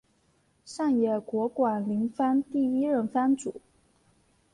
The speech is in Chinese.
上野国馆林藩第一任藩主。